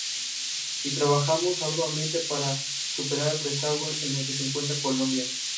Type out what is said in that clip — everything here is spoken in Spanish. Su juicio atrajo a centenares de simpatizantes anarquistas.